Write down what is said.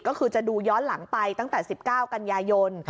ก็คือจะดูย้อนหลังไปตั้งแต่๑๙กันยายน